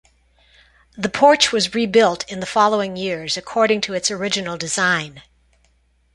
The porch was rebuilt in the following years according to its original design.